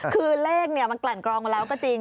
คือเลขมันกลั่นกรองมาแล้วก็จริง